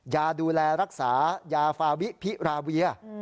ยาดูแลรักษายาฟาวิพิราเวีย